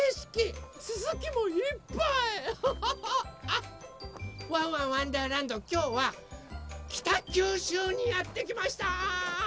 あっ「ワンワンわんだーらんど」きょうは北九州にやってきました！